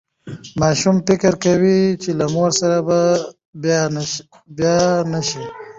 ماشوم فکر کوي چې له مور سره به بیا نه شي.